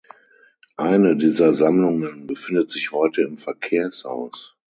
Eine dieser Sammlungen befindet sich heute im Verkehrshaus.